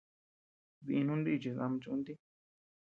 Dinu nichis ama chúntii.